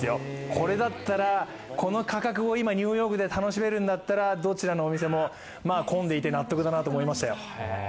これだったらこの価格を今ニューヨークで楽しめるんだったらどちらのお店も、混んでいて納得だと思いましたよ。